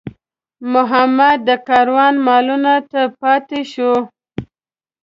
محمد د کاروان مالونو ته پاتې شو.